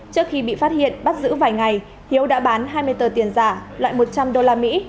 trước khi bị phát hiện bắt giữ vài ngày hiếu đã bán hai mươi tờ tiền giả loại một trăm linh đô la mỹ